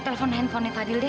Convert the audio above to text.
telepon handphonenya fadil deh